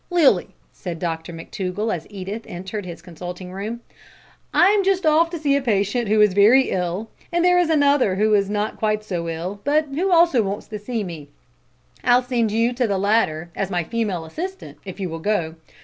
"Lilly," said Dr McTougall, as Edith entered his consulting room. "I'm just off to see a patient who is very ill, and there is another who is not quite so ill, but who also wants to see me. I'll send you to the latter as my female assistant, if you will go.